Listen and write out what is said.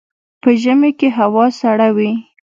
په ژمي کې هوا سړه وي